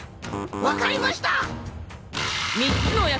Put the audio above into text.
わかりました！